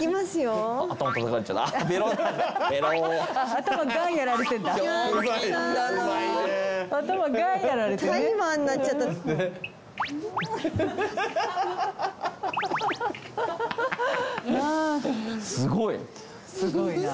すごい！